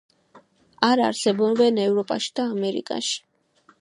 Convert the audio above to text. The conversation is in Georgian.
არ არსებობენ ევროპაში და ამერიკაში.